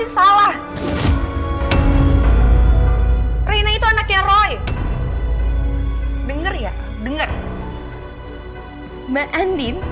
saya nggak pernah fitnah mandim